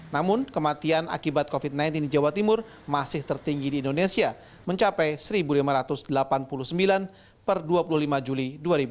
namun kematian akibat covid sembilan belas di jawa timur masih tertinggi di indonesia mencapai satu lima ratus delapan puluh sembilan per dua puluh lima juli dua ribu dua puluh